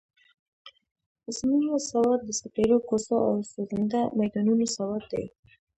زما سواد د سپېرو کوڅو او سوځنده میدانونو سواد دی.